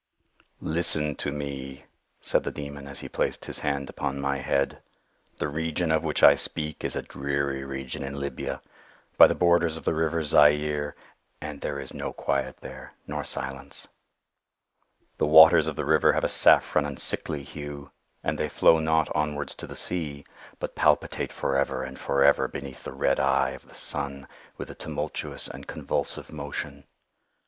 "Listen to me," said the Demon as he placed his hand upon my head. "The region of which I speak is a dreary region in Libya, by the borders of the river Zaire. And there is no quiet there, nor silence. "The waters of the river have a saffron and sickly hue; and they flow not onwards to the sea, but palpitate forever and forever beneath the red eye of the sun with a tumultuous and convulsive motion.